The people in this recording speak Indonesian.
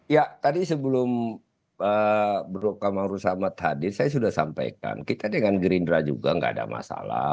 ya tadi sebelum bro kamangrusama tadi saya sudah sampaikan kita dengan gerindra juga nggak ada masalah